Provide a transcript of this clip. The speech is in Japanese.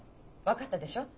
分かったでしょう。